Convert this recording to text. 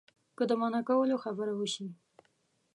که د منع کولو خبره وشي.